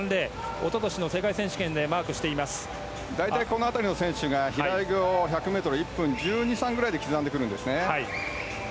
一昨年の世界選手権で大体、この辺りの選手が平泳ぎを１００ｍ１分１２１３ぐらいで刻んでくるんですね。